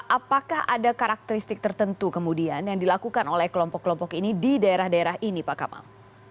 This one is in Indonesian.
apakah ada karakteristik tertentu kemudian yang dilakukan oleh kelompok kelompok ini di daerah daerah ini pak kamal